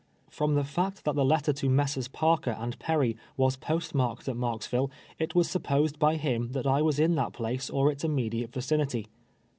From the fact that the letter to Messrs. Parker and Perry was post marked at Marksville, it was supposed by him that I was in that place or its immediate vi cinity.